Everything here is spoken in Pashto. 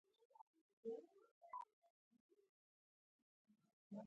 د اوبو کچه د جاذبې تابع ده.